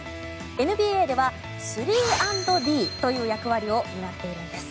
ＮＢＡでは３＆Ｄという役割を担っているんです。